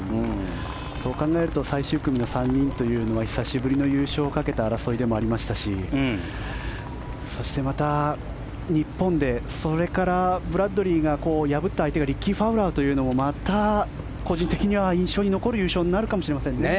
そう考えると最終組の３人というのは久しぶりの優勝をかけた争いでもありましたしそして、また、日本でそれからブラッドリーが破った相手がリッキー・ファウラーというのもまた個人的には印象に残る優勝になるかもしれませんね。